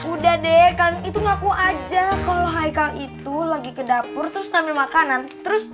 udah deh kan itu ngaku aja kalau haikal itu lagi ke dapur terus ambil makanan terus